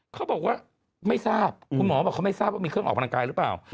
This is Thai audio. เขาบอกว่าไม่ทราบคุณหมอบอกเขาไม่ทราบว่ามีเครื่องออกกำลังกายหรือเปล่า